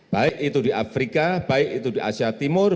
baik itu di afrika baik itu di asia timur